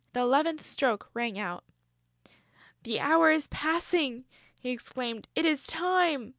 The eleventh stroke rang out. "The hour is passing!" he exclaimed. "It is time!"